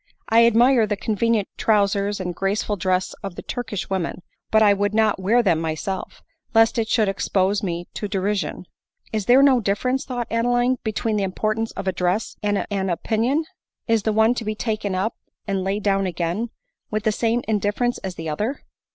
I admire the convenient trowsers and graceful dress of the Turkish women ; but I would not wear them myself, lest it should expose me to derision." " Is there no difference," thought Adeline, " between the importance of a dress and an opinion ! Is the one to be taken up, and laid down again, with the same in difference as die other